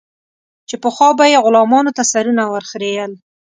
چې پخوا به یې غلامانو ته سرونه ور خرئېل.